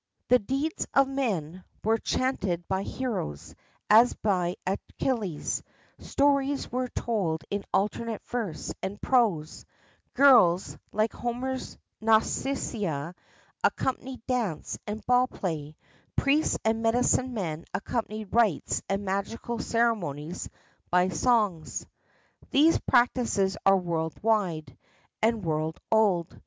"The deeds of men" were chanted by heroes, as by Achilles; stories were told in alternate verse and prose; girls, like Homer's Nausicaa, accompanied dance and ball play, priests and medicine men accompanied rites and magical ceremonies by songs. These practices are world wide, and world old.